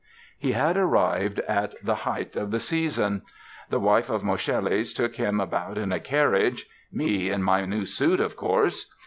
He had arrived at the height of the season. The wife of Moscheles took him about in a carriage ("me in my new suit, of course!")